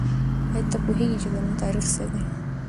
آیا ته پوهېږې چې زموږ تاریخ څه دی؟